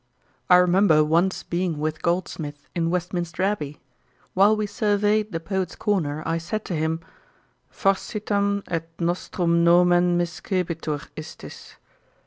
'I remember once being with Goldsmith in Westminster abbey. While we surveyed the Poets' Corner, I said to him, "Forsitan et nostrum nomen miscebitur istis."